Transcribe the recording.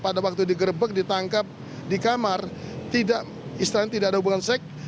pada waktu digerebek ditangkap di kamar tidak istilahnya tidak ada hubungan seks